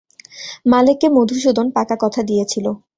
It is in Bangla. মালেককে মধুসূদন পাকা কথা দিয়েছিল।